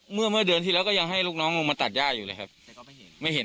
เมื่อเมื่อเดือนที่แล้วก็ยังให้ลูกน้องลงมาตัดย่าอยู่เลยครับแต่ก็ไม่เห็นไม่เห็น